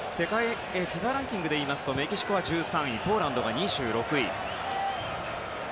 ＦＩＦＡランキングですとメキシコは１３位ポーランドは２６位。